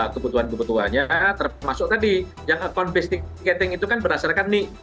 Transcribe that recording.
kebutuhan kebutuhannya termasuk tadi yang account based tic ticketing itu kan berdasarkan nih